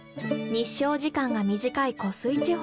日照時間が短い湖水地方。